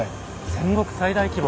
戦国最大規模。